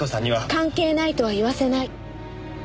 関係ないとは言わせない！